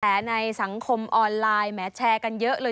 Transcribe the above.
ในสังคมออนไลน์แหมแชร์กันเยอะเลย